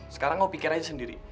sekarang mau pikir aja sendiri